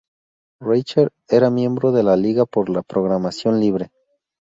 Richter era miembro de la Liga por la Programación Libre.